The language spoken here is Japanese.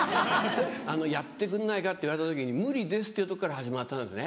「やってくんないか？」って言われた時に「無理です」っていうところから始まったんですね。